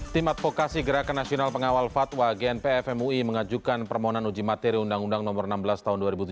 tim advokasi gerakan nasional pengawal fatwa gnpf mui mengajukan permohonan uji materi undang undang nomor enam belas tahun dua ribu tujuh belas